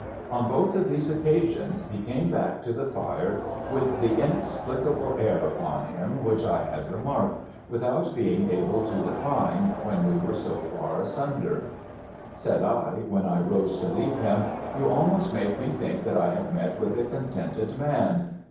On both of those occasions, he came back to the fire with the inexplicable air upon him which I had remarked, without being able to define, when we were so far asunder. Said I, when I rose to leave him, ' You almost make me think that I have met with a contented man.'